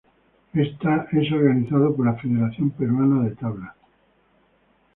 Es organizado por la Federación Peruana de Tabla.